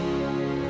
terima kasih pak